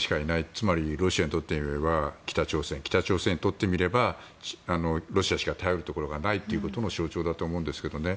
つまり、ロシアにとってみれば北朝鮮北朝鮮にとってみればロシアしか頼るところがないということの象徴だと思うんですけどね。